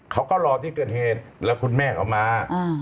เขาก็รอที่เกิดเหตุแล้วคุณแม่เขามา